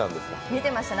見てました